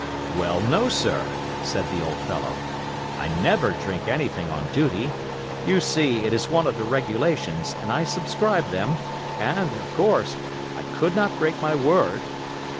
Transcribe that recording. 'Well, no, sir,' said the old fellow, 'I never drink anything on duty; you see it is one of the regulations and I subscribed them, and, of course, I could not break my word.